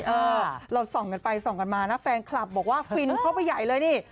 เออเราส่องกันไปส่องกันมานะแฟนคลับบอกว่าฟินเข้าไปใหญ่เลยนี่